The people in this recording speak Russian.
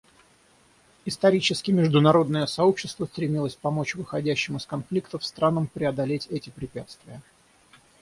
Исторически международное сообщество стремилось помочь выходящим из конфликтов странам преодолеть эти препятствия.